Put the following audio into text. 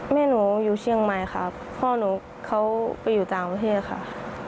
แม่หนูอยู่เชียงใหม่ค่ะพ่อหนูเขาไปอยู่ต่างประเทศค่ะ